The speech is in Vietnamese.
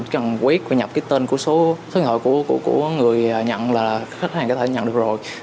chẳng quét và nhập cái tên của số gọi của người nhận là khách hàng có thể nhận được rồi